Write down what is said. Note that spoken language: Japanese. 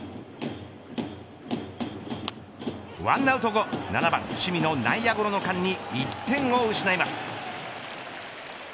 １アウト後７番、伏見の内野ゴロの間に１点を失います。